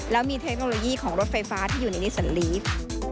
แล้วมีเทคโนโลยีของรถไฟฟ้าที่อยู่ในนิสันลีฟ